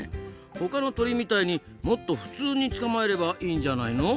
ほかの鳥みたいにもっと普通に捕まえればいいんじゃないの？